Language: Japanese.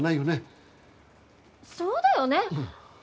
そうだよね。